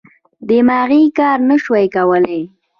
دماغي کار نه شوای کولای.